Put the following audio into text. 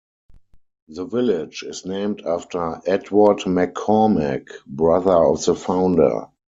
The village is named after Edward McCormack, brother of the founder.